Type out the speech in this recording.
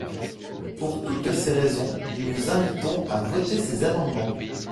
Pour toutes ces raisons, nous vous invitons à voter ces amendements.